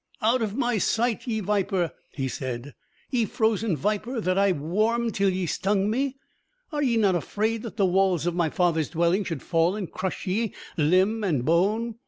"Out of my sight, ye viper," he said; "ye frozen viper that I warmed till ye stung me! Are ye not afraid that the walls of my father's dwelling should fall and crush ye, limb and bone?